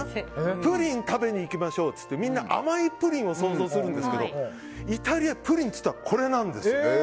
プリンを食べに行きましょうというとみんな甘いプリンを想像するんですけどイタリア、プリンって言ったらこれなんです。